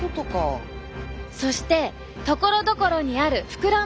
そしてところどころにある膨らんだ部分。